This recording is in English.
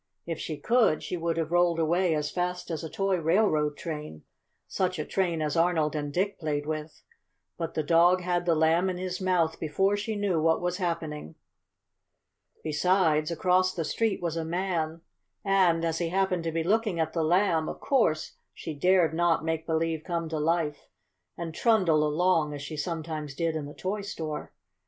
If she could, she would have rolled away as fast as a toy railroad train, such a train as Arnold and Dick played with. But the dog had the Lamb in his mouth before she knew what was happening. Besides, across the street was a man, and, as he happened to be looking at the Lamb, of course she dared not make believe come to life and trundle along as she sometimes did in the toy store.